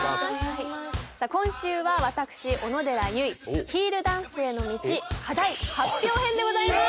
今週は私小野寺結衣ヒールダンスへの道課題発表編でございます。